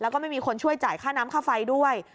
แล้วก็ไม่มีคนช่วยจ่ายค่าน้ำค่าไฟด้วย